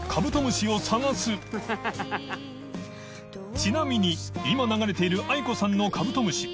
ちなみに今流れている ａｉｋｏ さんの「カブトムシ」）